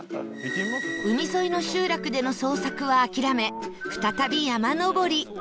海沿いの集落での捜索は諦め再び山上り